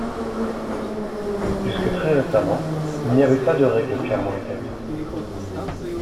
Jusque très récemment, il n'y avait pas de règles clairement établies.